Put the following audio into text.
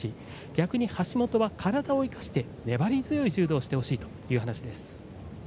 逆に橋本は体を生かして粘り強い柔道をしてほしいという話です。